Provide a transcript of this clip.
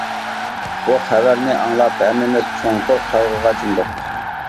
بۇ خەۋەرنى ئاڭلاپ ھەممىمىز چوڭقۇر قايغۇغا چۆمدۇق!